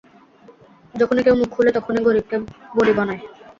যখনি কেউ মুখ খুলে তখনি গরিবকে বলি বানায়।